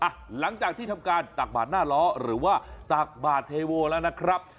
หลังจากที่ทำการตักบาดหน้าล้อหรือว่าตักบาดเทโวแล้วนะครับ